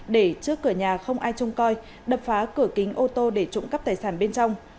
để trước cửa nhà không ai trông coi đập phá cửa kính ô tô để trộm cắp tài sản bên trong